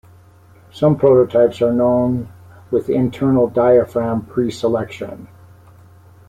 Some prototypes are known with internal diaphragm preselection.